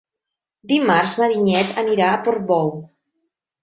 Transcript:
Dimarts na Vinyet anirà a Portbou.